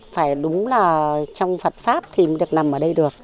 phải đúng là trong phật pháp thì được nằm ở đây được